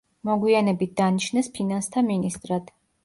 მოგვიანებით დანიშნეს ფინანსთა მინისტრად.